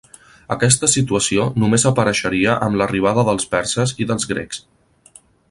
Aquesta situació només apareixeria amb l'arribada dels perses i dels grecs.